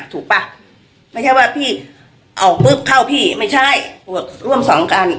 ป่ะไม่ใช่ว่าพี่ออกปุ๊บเข้าพี่ไม่ใช่ร่วมสองกัน